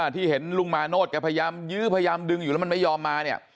ที่เห็นลุงมาโนธแกพยายามยื้อพยายามดึงอยู่แล้วมันไม่ยอมมาเนี่ย